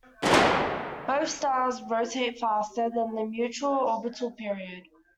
Both stars rotate faster than their mutual orbital period.